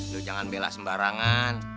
lu jangan bela sembarangan